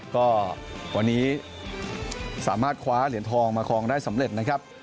ก็วันนี้สามารถคว้าเหรียญทองมาครองได้สำเร็จนะครับ